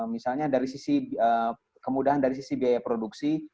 misalnya dari sisi kemudahan dari sisi biaya produksi